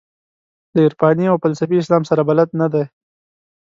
له عرفاني او فلسفي اسلام سره بلد نه دي.